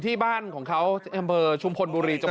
สิงหาทุมขอนครับ